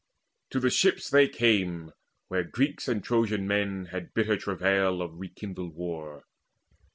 To the ships they came, where Greeks and Trojan men Had bitter travail of rekindled war.